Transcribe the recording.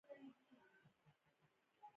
له غرور نه ځان وساته، الله لوی دی.